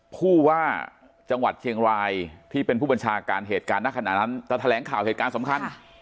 ผู้ว่าจังหวัดเชียงรายที่เป็นผู้บัญชาการเหตุการณ์ณขณะนั้นจะแถลงข่าวเหตุการณ์สำคัญ